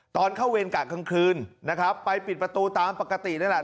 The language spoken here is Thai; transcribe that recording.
ตอนเข้าเวรกะกลางคืนนะครับไปปิดประตูตามปกตินั่นแหละ